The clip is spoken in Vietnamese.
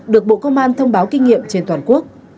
được bộ công an thông báo kinh nghiệm trên toàn quốc